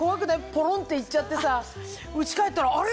ポロンっていっちゃってさうち帰ったらあれ？